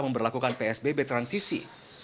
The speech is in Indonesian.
memperlakukan psbb transisi